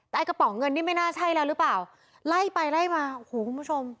แต่ไอ้กระป๋องเงินนี่ไม่น่าใช่แล้วหรือเปล่าไล่ไปไล่มาโอ้โหคุณผู้ชม